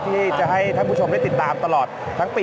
ที่จะให้ท่านผู้ชมได้ติดตามตลอดทั้งปี